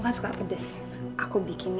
beraninya apa ini artinya